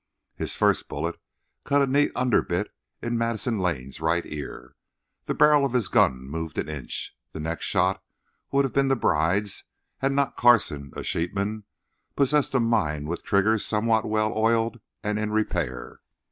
His first bullet cut a neat underbit in Madison Lane's right ear. The barrel of his gun moved an inch. The next shot would have been the bride's had not Carson, a sheepman, possessed a mind with triggers somewhat well oiled and in repair.